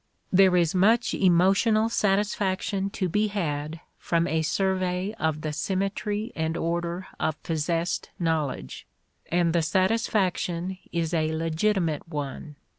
There is much emotional satisfaction to be had from a survey of the symmetry and order of possessed knowledge, and the satisfaction is a legitimate one.